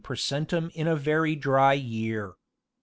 09 per centum in a very dry year.